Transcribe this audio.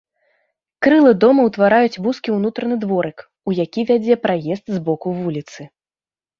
Крылы дома ўтвараюць вузкі ўнутраны дворык, у які вядзе праезд з боку вуліцы.